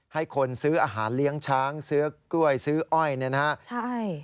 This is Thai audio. ให้คนซื้ออาหารเลี้ยงช้างซื้อกล้วยซื้ออ้อยนะครับ